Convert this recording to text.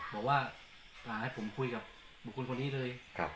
บอกว่าให้ผมคุยกับบุคคลคนนี้เลย